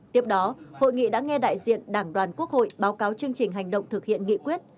tiếp đó hội nghị đã nghe đại diện đảng đoàn quốc hội báo cáo chương trình hành động thực hiện nghị quyết